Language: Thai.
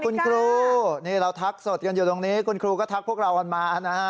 คุณครูนี่เราทักสดกันอยู่ตรงนี้คุณครูก็ทักพวกเรากันมานะฮะ